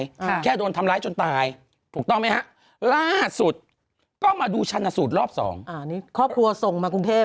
ค่ะแค่โดนทำร้ายจนตายถูกต้องไหมฮะล่าสุดก็มาดูชันสูตรรอบสองอ่านี่ครอบครัวส่งมากรุงเทพ